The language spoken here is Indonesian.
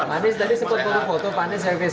anies tadi sempat foto foto panis ya